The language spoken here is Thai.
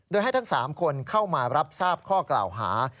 โดยให้ทั้ง๓คนเข้ามารับทราบข้อกล่าวหา